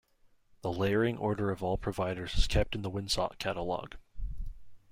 The layering order of all providers is kept in the Winsock Catalog.